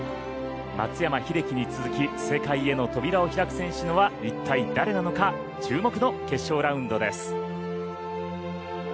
松山英樹に続き世界への扉を開く選手なのは一体誰なのか注目の決勝ラウンドです。